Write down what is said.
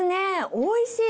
おいしい。